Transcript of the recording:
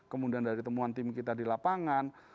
kemudian dari temuan tim kita di lapangan